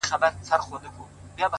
o ډېـــره شناخته مي په وجود كي ده ـ